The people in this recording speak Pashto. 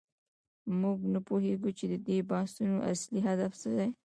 موږ نه پوهیږو چې د دې بحثونو اصلي هدف څه دی.